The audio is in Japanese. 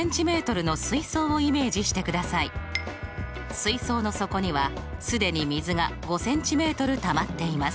水槽の底には既に水が５ｃｍたまっています。